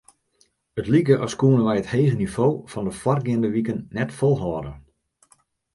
It like as koene wy it hege nivo fan de foargeande wiken net folhâlde.